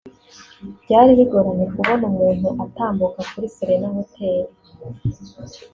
Byari bigoranye kubona umuntu utambuka kuri Serena Hotel